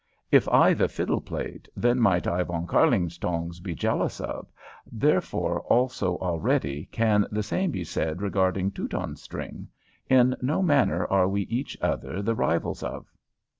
If I the fiddle played, then might I Von Kärlingtongs be jealous of. Therefore also already can the same be said regarding Teutonstring. In no manner are we each other the rivals of."